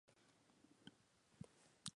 Grietas longitudinales y escasas.